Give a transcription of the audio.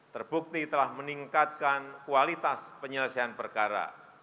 terbukti telah meningkatkan kualitas penyelesaian perkara